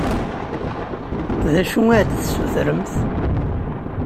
D acu ad d-tessutremt?